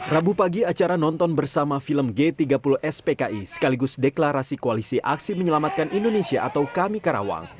rabu pagi acara nonton bersama film g tiga puluh spki sekaligus deklarasi koalisi aksi menyelamatkan indonesia atau kami karawang